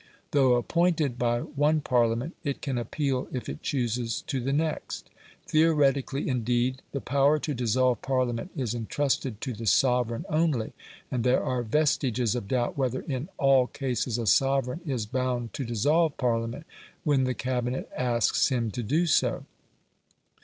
Though appointed by one Parliament, it can appeal if it chooses to the next. Theoretically, indeed, the power to dissolve Parliament is entrusted to the sovereign only; and there are vestiges of doubt whether in ALL cases a sovereign is bound to dissolve Parliament when the Cabinet asks him to do so.